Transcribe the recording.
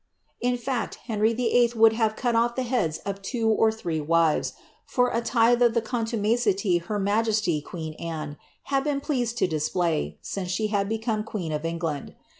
In fart, Henry VIII. would hats cul off the heads of two or three wives, for a tithe of the coniumaciiy her majesty, queen Anne, had been pleased to display, since she had be come queen of England.